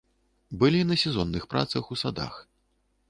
Былі на сезонных працах у садах.